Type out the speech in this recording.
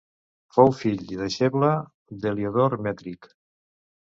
Fou fill i deixeble d'Heliodor Mètric.